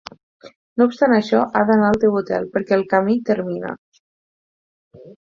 No obstant això, ha d'anar al teu hotel, perquè el camí termina.